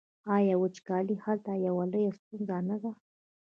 آیا وچکالي هلته یوه لویه ستونزه نه ده؟